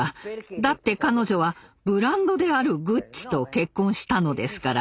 だって彼女はブランドであるグッチと結婚したのですから。